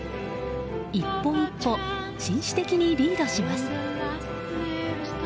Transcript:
一歩一歩、紳士的にリードします。